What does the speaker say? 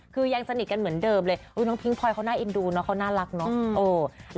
คือยังสนิทกันเหมือนเดิมเลยน้องพิงพลอยเขาน่าเอ็นดูเนาะเขาน่ารักเนาะ